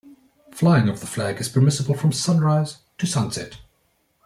Flying of the flag is permissible from sunrise to sunset.